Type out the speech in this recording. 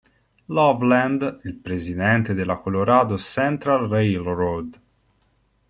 Loveland, il presidente della Colorado Central Railroad.